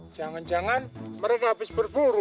jangan jangan mereka habis berburu